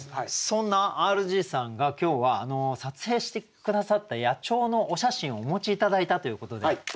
そんなＲＧさんが今日は撮影して下さった野鳥のお写真をお持ち頂いたということで。